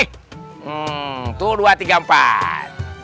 satu dua tiga empat